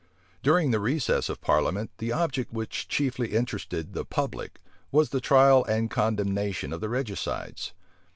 During the recess of parliament, the object which chiefly interested the public, was the trial and condemnation of the regicides.